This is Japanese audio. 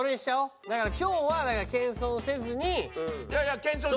だから今日は謙遜せずに。